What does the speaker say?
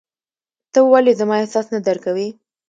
ته ولي زما احساس نه درکوې !